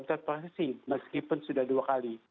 yang sudah terproteksi meskipun sudah dua kali